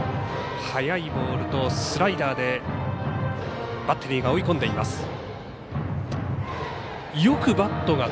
速いボールとスライダーでバッテリーが追い込んでいます。